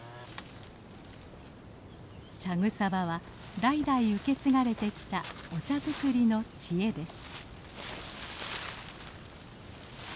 茶草場は代々受け継がれてきたお茶作りの知恵です。